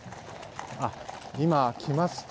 今、来ました。